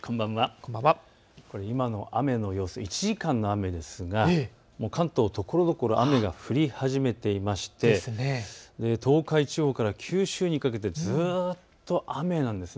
これは今の雨の様子、１時間の雨ですが関東、ところどころ雨が降り始めていて東海地方から九州にかけてはずっと雨なんです。